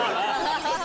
ハハハ！